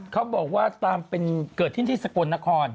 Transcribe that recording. เขาบอกว่าตามเกิดที่สกลนคร